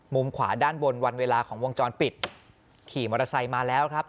ขวาด้านบนวันเวลาของวงจรปิดขี่มอเตอร์ไซค์มาแล้วครับ